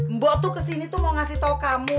mbo tuh kesini tuh mau ngasih tau kamu